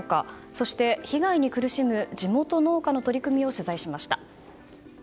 そして、被害に苦しむ地元農家の取り組みを取材しました。